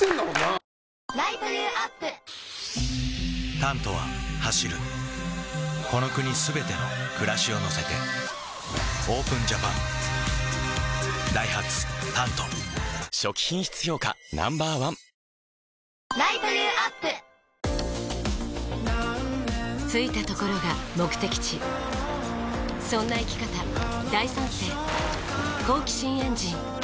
「タント」は走るこの国すべての暮らしを乗せてＯＰＥＮＪＡＰＡＮダイハツ「タント」初期品質評価ＮＯ．１着いたところが目的地そんな生き方大賛成好奇心エンジン「タフト」